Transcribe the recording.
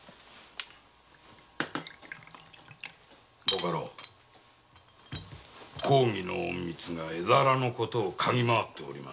ご家老公儀の隠密が絵皿の事をかぎ回っております。